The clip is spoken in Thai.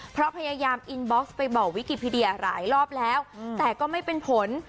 เพราะพยายามอินบ็อกซ์ไปบอกวิกิพีเดียหลายรอบแล้วแต่ก็ไม่เป็นผล